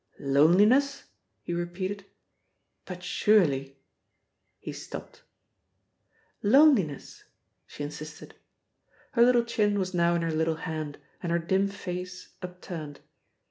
"Loneliness!" he repeated. "But surely " He stopped. "Loneliness," she insisted. Her little chin was now in her little hand, and her dim face upturned.